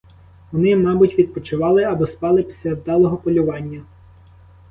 Вони, мабуть, відпочивали або спали після вдалого полювання.